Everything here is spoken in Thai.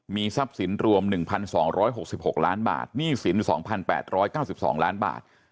มีทรัพย์สินรวม๑๒๖๖ล้านบาทหนี้สิน๒๘๙๒ล้านบาท